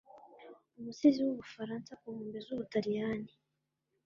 umusizi w'ubufaransa, ku nkombe z'ubutaliyani